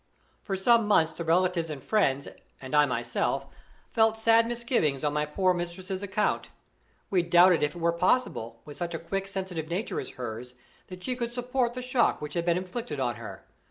For some months the relatives and friends, and I myself, felt sad misgivings on my poor mistress's account. We doubted if it was possible, with such a quick, sensitive nature as hers, that she could support the shock which had been inflicted on her.